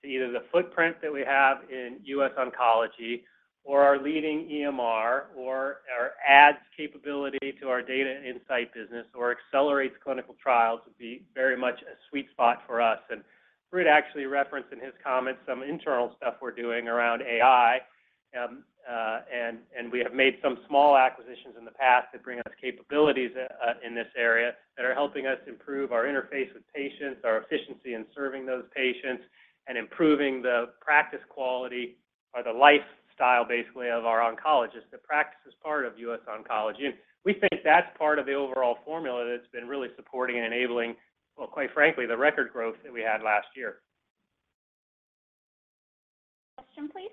to either the footprint that we have in US Oncology or our leading EMR, or adds capability to our data insight business, or accelerates clinical trials, would be very much a sweet spot for us. Britt actually referenced in his comments some internal stuff we're doing around AI, and we have made some small acquisitions in the past that bring us capabilities in this area that are helping us improve our interface with patients, our efficiency in serving those patients, and improving the practice quality or the lifestyle, basically, of our oncologists. The practice is part of US Oncology, and we think that's part of the overall formula that's been really supporting and enabling, well, quite frankly, the record growth that we had last year. Question, please.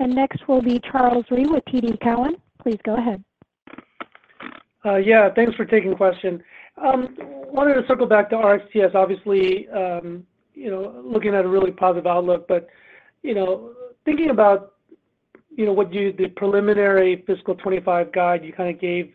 Next will be Charles Rhyee with TD Cowen. Please go ahead. Yeah, thanks for taking the question. Wanted to circle back to RxTS, obviously, you know, looking at a really positive outlook. But, you know, thinking about, you know, what the preliminary fiscal 25 guide you kinda gave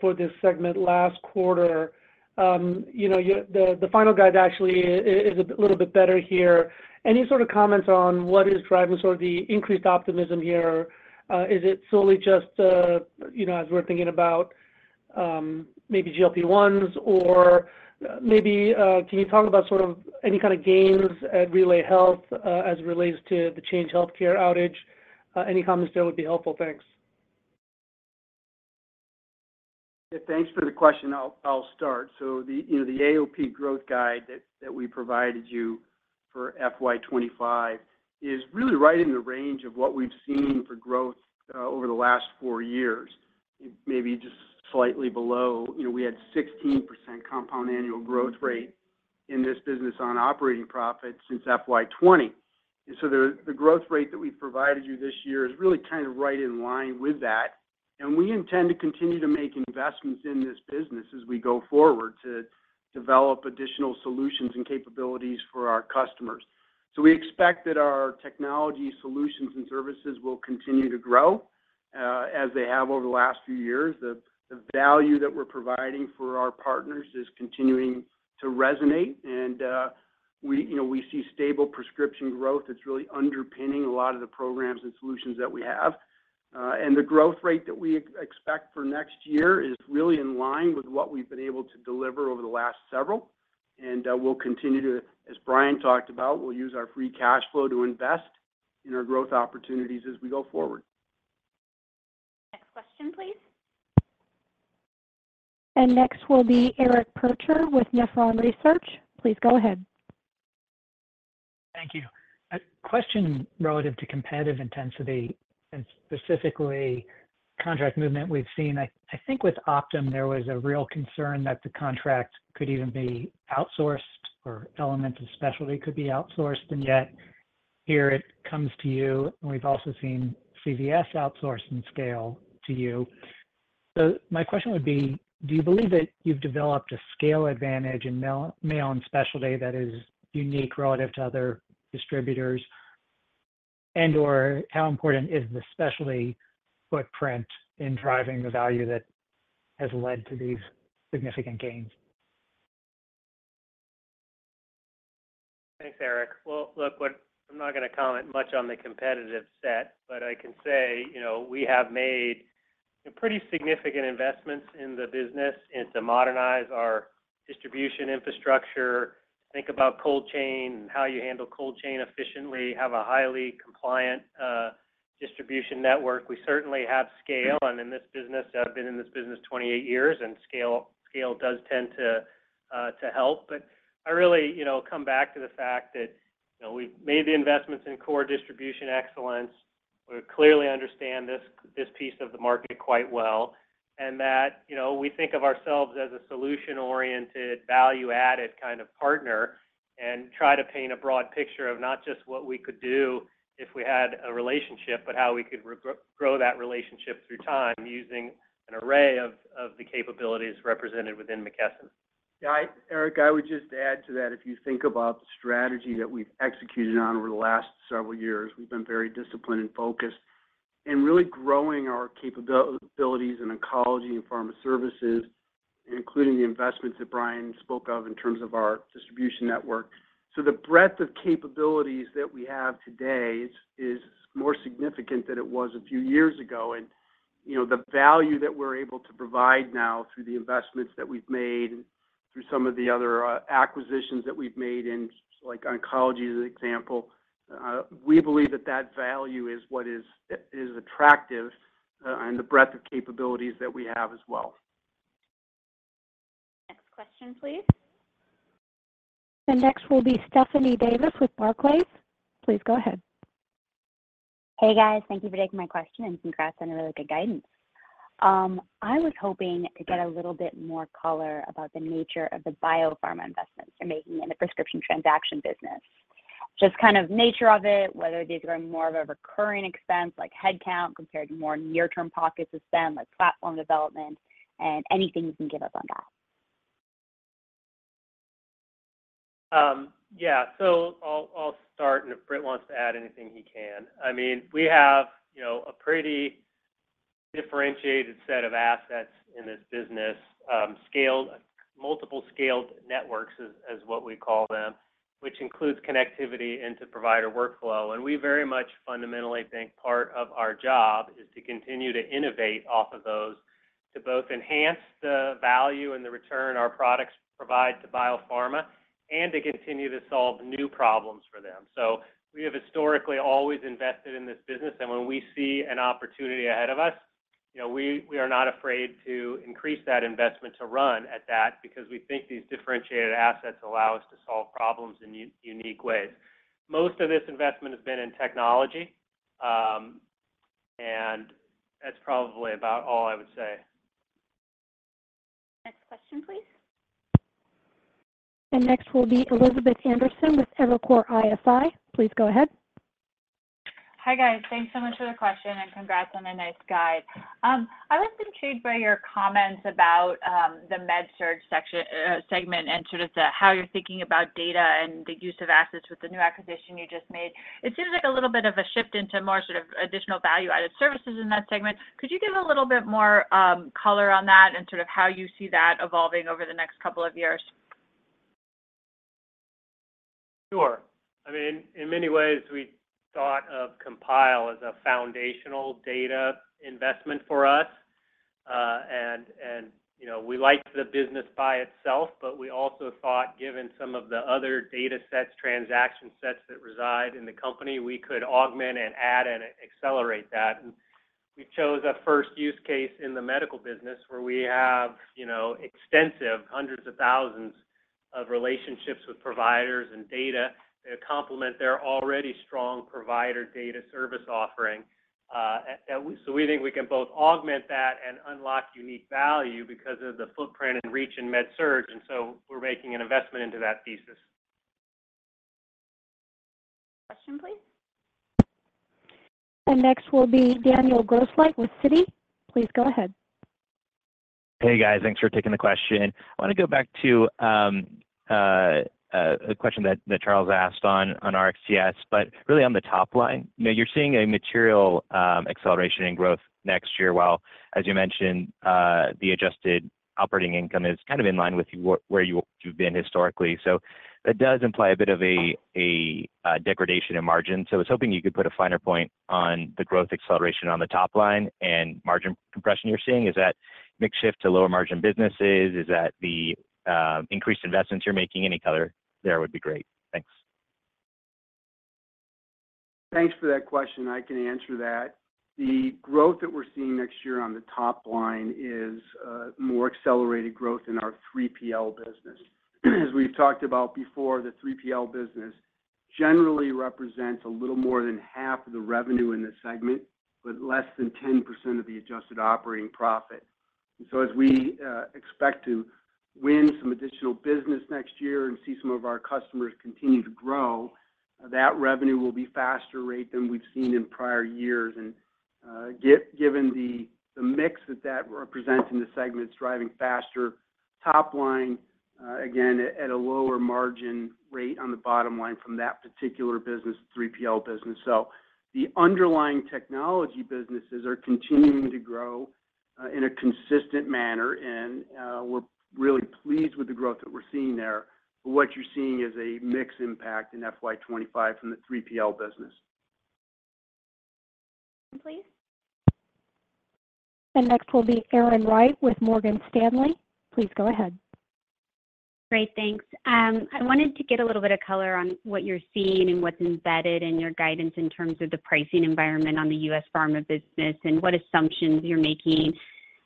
for this segment last quarter, you know, the final guide actually is a bit little bit better here. Any sort of comments on what is driving sort of the increased optimism here? Is it solely just, you know, as we're thinking about, maybe GLP-1s, or maybe, can you talk about sort of any kind of gains at RelayHealth, as it relates to the Change Healthcare outage? Any comments there would be helpful. Thanks. Yeah, thanks for the question. I'll start. So the, you know, the AOP growth guide that we provided you for FY 2025 is really right in the range of what we've seen for growth over the last four years, maybe just slightly below. You know, we had 16% compound annual growth rate in this business on operating profits since FY 2020. And so the growth rate that we provided you this year is really kind of right in line with that, and we intend to continue to make investments in this business as we go forward to develop additional solutions and capabilities for our customers. So we expect that our technology solutions and services will continue to grow as they have over the last few years. The value that we're providing for our partners is continuing to resonate, and we, you know, we see stable prescription growth that's really underpinning a lot of the programs and solutions that we have. And the growth rate that we expect for next year is really in line with what we've been able to deliver over the last several. We'll continue to, as Brian talked about, use our free cash flow to invest in our growth opportunities as we go forward. Next question, please. Next will be Eric Percher with Nephron Research. Please go ahead. Thank you. A question relative to competitive intensity and specifically contract movement we've seen. I think with Optum, there was a real concern that the contract could even be outsourced or elements of specialty could be outsourced, and yet here it comes to you, and we've also seen CVS outsource and scale to you. So my question would be: Do you believe that you've developed a scale advantage in mail, mail and specialty that is unique relative to other distributors? And/or how important is the specialty footprint in driving the value that has led to these significant gains? Thanks, Eric. Well, look, I'm not gonna comment much on the competitive set, but I can say, you know, we have made pretty significant investments in the business and to modernize our distribution infrastructure. Think about cold chain and how you handle cold chain efficiently, have a highly compliant distribution network. We certainly have scale, and in this business, I've been in this business 28 years, and scale, scale does tend to help. But I really, you know, come back to the fact that, you know, we've made the investments in core distribution excellence.... We clearly understand this piece of the market quite well, and that, you know, we think of ourselves as a solution-oriented, value-added kind of partner, and try to paint a broad picture of not just what we could do if we had a relationship, but how we could re-grow, grow that relationship through time using an array of the capabilities represented within McKesson. Yeah, Eric, I would just add to that, if you think about the strategy that we've executed on over the last several years, we've been very disciplined and focused in really growing our capabilities in oncology and pharma services, including the investments that Brian spoke of in terms of our distribution network. So the breadth of capabilities that we have today is more significant than it was a few years ago, and, you know, the value that we're able to provide now through the investments that we've made and through some of the other acquisitions that we've made in, like, oncology, as an example, we believe that that value is what is attractive, and the breadth of capabilities that we have as well. Next question, please. The next will be Stephanie Davis with Barclays. Please go ahead. Hey, guys. Thank you for taking my question, and congrats on a really good guidance. I was hoping to get a little bit more color about the nature of the biopharma investments you're making in the prescription technology business. Just kind of nature of it, whether these are more of a recurring expense, like headcount, compared to more near-term pockets of spend, like platform development, and anything you can give us on that? Yeah. So I'll start, and if Britt wants to add anything, he can. I mean, we have, you know, a pretty differentiated set of assets in this business, scaled multiple scaled networks is what we call them, which includes connectivity into provider workflow. And we very much fundamentally think part of our job is to continue to innovate off of those, to both enhance the value and the return our products provide to biopharma and to continue to solve new problems for them. So we have historically always invested in this business, and when we see an opportunity ahead of us, you know, we are not afraid to increase that investment to run at that because we think these differentiated assets allow us to solve problems in unique ways. Most of this investment has been in technology, and that's probably about all I would say. Next question, please. Next will be Elizabeth Anderson with Evercore ISI. Please go ahead. Hi, guys. Thanks so much for the question, and congrats on a nice guide. I was intrigued by your comments about the MedSurg section, segment, and sort of the how you're thinking about data and the use of assets with the new acquisition you just made. It seems like a little bit of a shift into more sort of additional value-added services in that segment. Could you give a little bit more color on that and sort of how you see that evolving over the next couple of years? Sure. I mean, in many ways, we thought of Compile as a foundational data investment for us. And, you know, we liked the business by itself, but we also thought, given some of the other datasets, transaction sets that reside in the company, we could augment and add and accelerate that. And we chose a first use case in the medical business, where we have, you know, extensive, hundreds of thousands of relationships with providers and data that complement their already strong provider data service offering. And so we think we can both augment that and unlock unique value because of the footprint and reach in MedSurg, and so we're making an investment into that thesis. Question, please. Next will be Daniel Grosslight with Citi. Please go ahead. Hey, guys, thanks for taking the question. I want to go back to a question that Charles asked on RxTS, but really on the top line. You know, you're seeing a material acceleration in growth next year, while, as you mentioned, the adjusted operating income is kind of in line with where you've been historically. So that does imply a bit of a degradation in margin. So I was hoping you could put a finer point on the growth acceleration on the top line and margin compression you're seeing. Is that mix shift to lower margin businesses? Is that the increased investments you're making? Any color there would be great. Thanks. Thanks for that question. I can answer that. The growth that we're seeing next year on the top line is more accelerated growth in our 3PL business. As we've talked about before, the 3PL business generally represents a little more than half of the revenue in this segment, but less than 10% of the Adjusted Operating Profit. And so as we expect to win some additional business next year and see some of our customers continue to grow, that revenue will be faster rate than we've seen in prior years. And given the mix that that represents in the segment, it's driving faster top line again at a lower margin rate on the bottom line from that particular business, 3PL business. So the underlying technology businesses are continuing to grow in a consistent manner, and we're really pleased with the growth that we're seeing there. But what you're seeing is a mix impact in FY 25 from the 3PL business. Please? Next will be Erin Wright with Morgan Stanley. Please go ahead. Great, thanks. I wanted to get a little bit of color on what you're seeing and what's embedded in your guidance in terms of the pricing environment on the U.S. pharma business and what assumptions you're making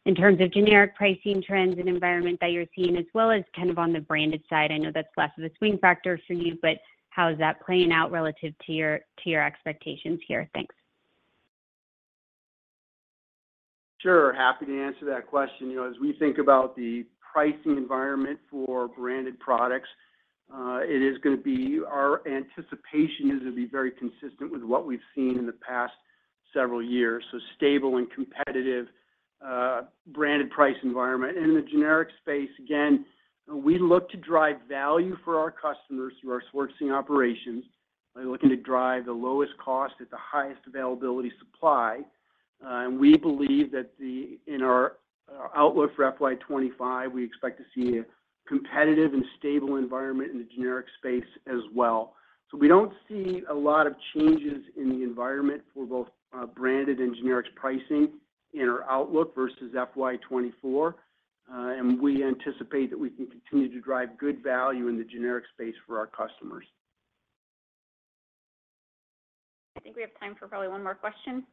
in terms of generic pricing trends and environment that you're seeing, as well as kind of on the branded side? I know that's less of a swing factor for you, but how is that playing out relative to your expectations here? Thanks. Sure, happy to answer that question. You know, as we think about the pricing environment for branded products, it is gonna be our anticipation is it'll be very consistent with what we've seen in the past several years, so stable and competitive, branded price environment. And in the generic space, again, we look to drive value for our customers through our sourcing operations, by looking to drive the lowest cost at the highest availability supply. And we believe that in our outlook for FY 2025, we expect to see a competitive and stable environment in the generic space as well. So we don't see a lot of changes in the environment for both, branded and generics pricing in our outlook versus FY 2024. And we anticipate that we can continue to drive good value in the generic space for our customers. I think we have time for probably one more question.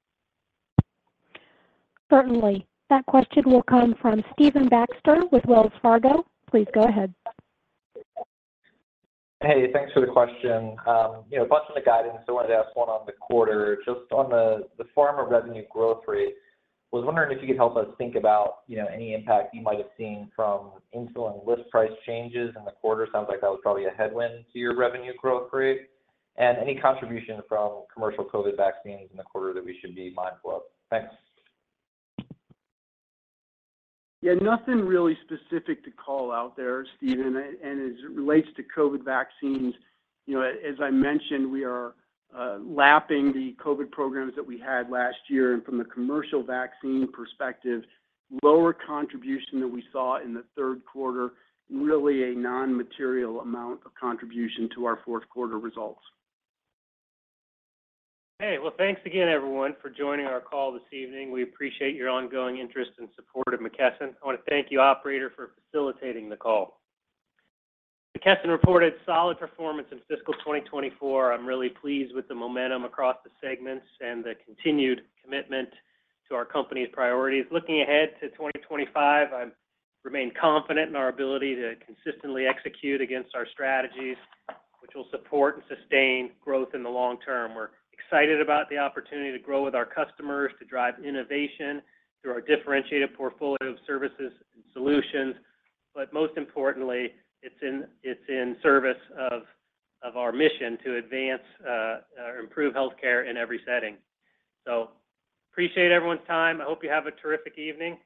Certainly. That question will come from Stephen Baxter with Wells Fargo. Please go ahead. Hey, thanks for the question. You know, a bunch on the guidance, so I wanted to ask one on the quarter. Just on the pharma revenue growth rate, I was wondering if you could help us think about, you know, any impact you might have seen from insulin list price changes in the quarter. Sounds like that was probably a headwind to your revenue growth rate. And any contribution from commercial COVID vaccines in the quarter that we should be mindful of. Thanks. Yeah, nothing really specific to call out there, Stephen. And as it relates to COVID vaccines, you know, as I mentioned, we are lapping the COVID programs that we had last year, and from the commercial vaccine perspective, lower contribution than we saw in the third quarter, really a non-material amount of contribution to our fourth quarter results. Hey, well, thanks again, everyone, for joining our call this evening. We appreciate your ongoing interest and support of McKesson. I want to thank you, operator, for facilitating the call. McKesson reported solid performance in fiscal 2024. I'm really pleased with the momentum across the segments and the continued commitment to our company's priorities. Looking ahead to 2025, I remain confident in our ability to consistently execute against our strategies, which will support and sustain growth in the long term. We're excited about the opportunity to grow with our customers, to drive innovation through our differentiated portfolio of services and solutions, but most importantly, it's in service of our mission to advance or improve healthcare in every setting. So, appreciate everyone's time. I hope you have a terrific evening.